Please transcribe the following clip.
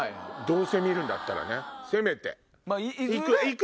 どうせ見るんだったらねせめて。